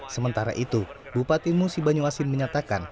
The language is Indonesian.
sementara itu bupati musi banyuasin menyatakan